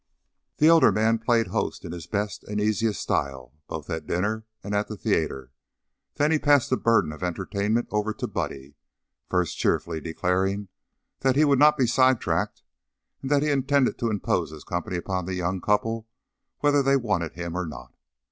The elder man played host in his best and easiest style, both at dinner and at the theater; then he passed the burden of entertainment over to Buddy, first cheerfully declaring that he would not be sidetracked and that he intended to impose his company upon the young couple whether they wanted him or not.